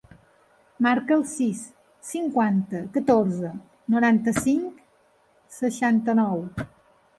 Marca el sis, cinquanta, catorze, noranta-cinc, seixanta-nou.